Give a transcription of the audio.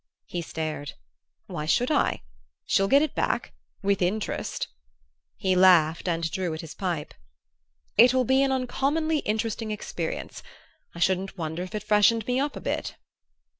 He stared. "Why should I? She'll get it back with interest!" He laughed and drew at his pipe. "It will be an uncommonly interesting experience. I shouldn't wonder if it freshened me up a bit."